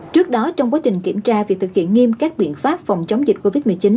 trước đó trong quá trình kiểm tra việc thực hiện nghiêm các biện pháp phòng chống dịch covid một mươi chín